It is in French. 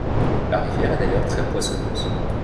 La rivière est d'ailleurs très poissonneuse.